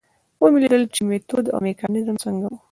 ومې لیدل چې میتود او میکانیزم څنګه و.